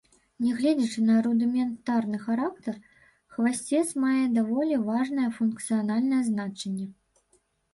Нягледзячы на рудыментарны характар, хвасцец мае даволі важнае функцыянальнае значэнне.